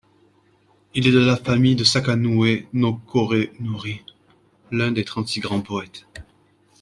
Il est de la famille de Sakanoue no Korenori, un des trente-six grands poètes.